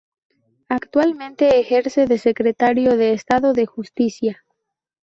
Actualmente ejerce de Secretario de Estado de Justicia.